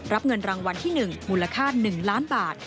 รับเงินรางวัลที่๑มูลค่า๑ล้านบาท